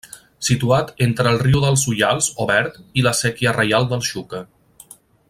Situat entre el riu dels Ullals o Verd i la Séquia Reial del Xúquer.